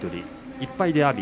１敗は阿炎。